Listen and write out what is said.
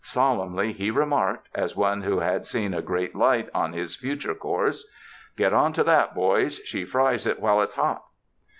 Solemnly he remarked, as one who had seen a great light on his future course : "Get on to that, boys, she fries it while it's hot."